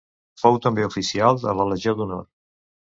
Fou també Oficial de la Legió d'Honor.